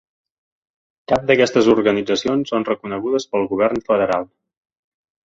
Cap d'aquestes organitzacions són reconegudes pel govern federal.